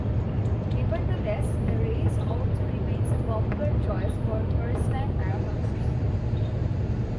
Nevertheless, the race also remains a popular choice for first-time marathoners.